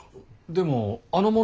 でもあの物